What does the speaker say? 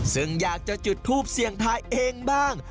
ซึ่งอยากจะจุดทูปเสี่ยงทายเองบ้าง